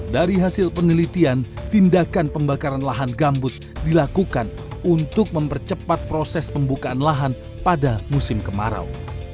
dari hasil penelitian tindakan pembakaran lahan gambut dilakukan untuk mempercepat proses pembukaan lahan pada musim kemarau